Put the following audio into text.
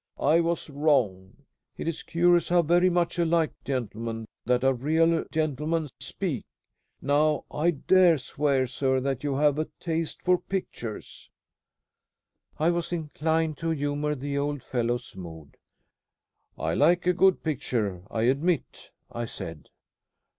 "I was wrong. It is curious how very much alike gentlemen, that are real gentlemen, speak. Now, I dare swear, sir, that you have a taste for pictures." I was inclined to humor the old fellow's mood. "I like a good picture, I admit," I said.